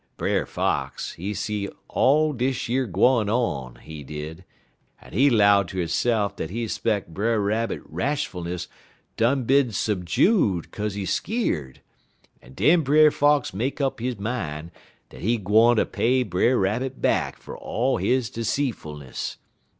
"Brer Fox, he see all dish yer gwine on, he did, en he 'low ter hisse'f dat he 'speck Brer Rabbit rashfulness done bin supjued kaze he skeer'd, en den Brer Fox make up his min' dat he gwine ter pay Brer Rabbit back fer all he 'seetfulness.